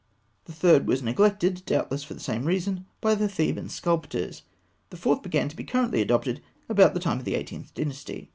The third was neglected (doubtless for the same reason) by the Theban sculptors. The fourth began to be currently adopted about the time of the Eighteenth Dynasty.